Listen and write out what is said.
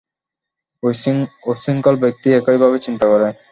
উশৃংখল ব্যক্তি একইভাবে চিন্তা করে।